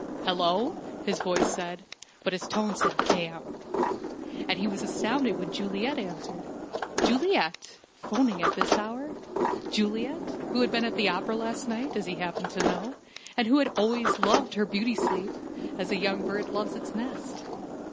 "Hello!" his voice said: but his tone said "Damn!" And he was astounded when Juliet answered. Juliet! 'phoning at this hour! Juliet, who had been at the opera last night, as he happened to know, and who had always loved her beauty sleep, as a young bird loves its nest!